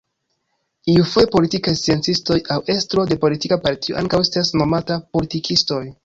Iufoje politikaj sciencistoj aŭ estro de politika partio ankaŭ estas nomata politikistoj.